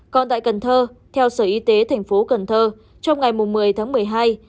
còn tại cần thơ theo sở y tế thành phố cần thơ trong ngày một mươi tháng một mươi hai